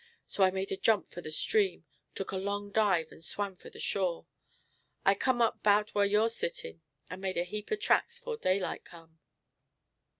So I made a jump for the stream, took a long dive, and swam for the shore. I come up 'bout whar you're setting, and I made a heap of tracks 'fore daylight come."